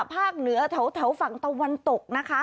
เหนือแถวฝั่งตะวันตกนะคะ